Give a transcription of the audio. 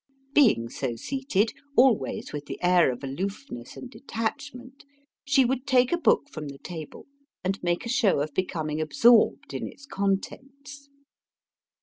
Being so seated, always with the air of aloofness and detachment, she would take a book from the table and make a show of becoming absorbed in its contents.